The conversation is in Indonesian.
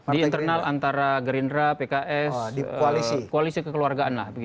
di internal antara gerindra pks koalisi kekeluargaan lah